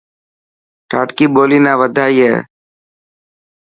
ڌاٽڪي ٻولي نا وڌائي هي.